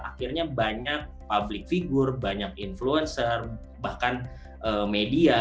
akhirnya banyak publik figur banyak influencer bahkan media